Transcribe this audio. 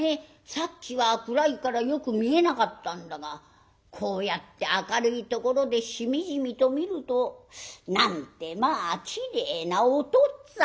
さっきは暗いからよく見えなかったんだがこうやって明るいところでしみじみと見るとなんてまあきれいなおとっつぁん」。